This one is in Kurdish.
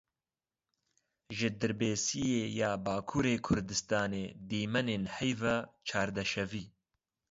Ji Dirbêsiyê ya Bakurê Kurdistanê dîmenên heyva çardeşevî.